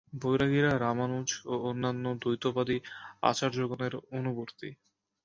বৈরাগীরা রামানুজ ও অন্যান্য দ্বৈতবাদী আচার্যগণের অনুবর্তী।